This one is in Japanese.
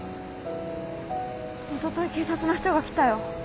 おととい警察の人が来たよ。